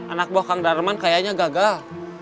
anak buah kang darman kayaknya gagal